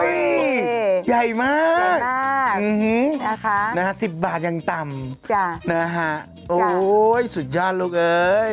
นี่ใหญ่มากนะคะ๑๐บาทยังต่ำนะฮะโอ้ยสุดยอดลูกเอ้ย